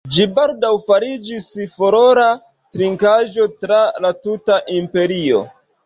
Ĝi baldaŭ fariĝis furora trinkaĵo tra la tuta imperio.